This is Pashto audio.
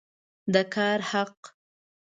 د کار حق